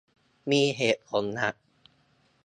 มีเหตุผลหลัก